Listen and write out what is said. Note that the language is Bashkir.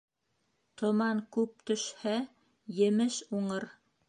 Томан күп төшһә, емеш уңыр.